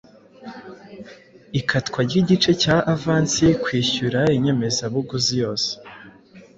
ikatwa ry’igice cya avansi. Kwishyura inyemezabuguzi yose